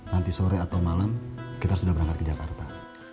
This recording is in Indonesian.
nanti sore atau malam kita sudah berangkat ke jakarta